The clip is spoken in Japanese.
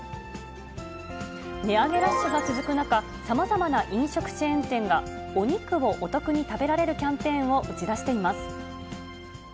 値上げラッシュが続く中、さまざまな飲食チェーン店が、お肉をお得に食べられるキャンペーンを打ち出しています。